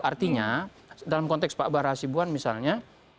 artinya dalam konteks pak barahasibuan misalnya